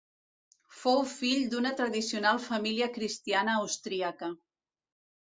Fou fill d'una tradicional família cristiana austríaca.